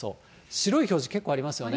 白い表示結構ありますよね。